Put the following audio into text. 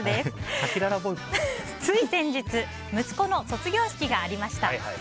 つい先日息子の卒業式がありました。